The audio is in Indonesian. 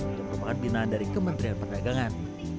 untuk membangun binaan dari kementerian perdagangan